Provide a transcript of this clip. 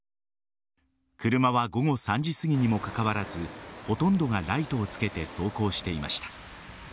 車は午後３時すぎにもかかわらず、ほとんどがライトをつけて走行していました。